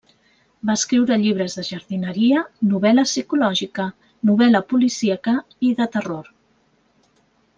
Va escriure llibres de jardineria, novel·la psicològica, novel·la policíaca i de terror.